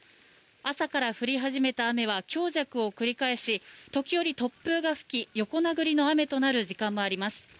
朝から降り始めた雨は強弱を繰り返し時折、突風が吹き横殴りの雨となる時間もあります。